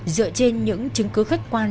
dựa trên những chứng cứ khách quan